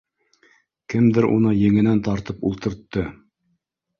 Кемдер уны еңенән тартып ултыртты